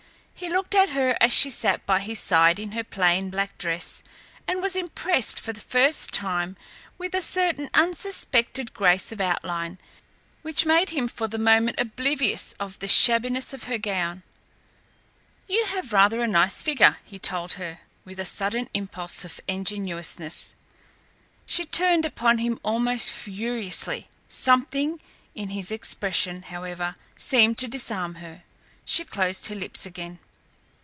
He looked at her as she sat by his side in her plain black dress, and was impressed for the first time with a certain unsuspected grace of outline, which made him for the moment oblivious of the shabbiness of her gown. "You have rather a nice figure," he told her with a sudden impulse of ingenuousness. She turned upon him almost furiously. Something in his expression, however, seemed to disarm her. She closed her lips again.